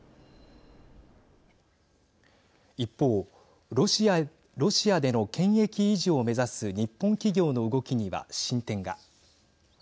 一方ロシアでの権益維持を目指す日本企業の動きには進展が。